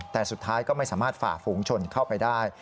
แต่สุดท้ายก็ไม่สามารถฝ่าฝูงชนเข้าไปได้